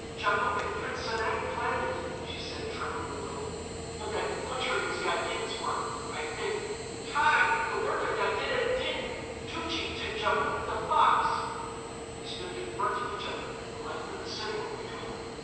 "Djamouk and Prince Sanang planned it," she said, trembling a little. "But that butchery was Yaddin's work, I think. Kai! The work of Yaddined Din, Tougtchi to Djamouk the Fox!" They stood confronting each other, the length of the sitting room between them.